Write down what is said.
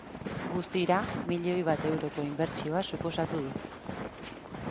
Guztira, milioi bat euroko inbertsioa suposatu du.